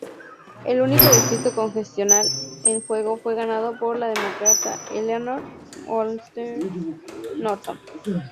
El único distrito congresional en juego fue ganado por la Demócrata Eleanor Holmes Norton.